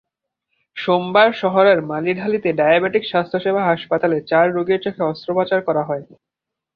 সোমবার শহরের মাটিডালিতে ডায়াবেটিক স্বাস্থ্যসেবা হাসপাতালে চার রোগীর চোখে অস্ত্রোপচার করা হয়।